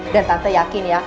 dan tante yakin ya